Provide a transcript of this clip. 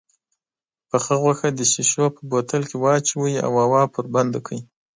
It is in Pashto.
پخه غوښه د شيشو په بوتلو کې واچوئ او هوا پرې بنده کړئ.